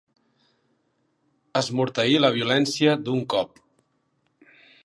Esmorteir la violència d'un cop.